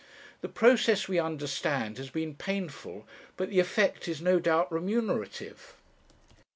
The process, we understand, has been painful, but the effect is no doubt remunerative.